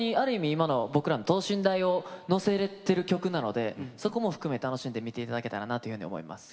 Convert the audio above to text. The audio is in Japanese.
今の僕らの等身大を乗せてる曲なのでそこも含め楽しんで見ていただけたらなと思います。